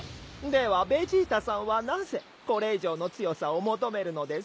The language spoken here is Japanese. ではベジータさんはなぜこれ以上の強さを求めるのですか？